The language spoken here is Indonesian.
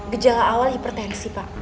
gejala awal hipertensi pak